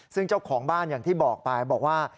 ซึ่งเจ้าของบ้านอย่างที่บอกไปบอกว่า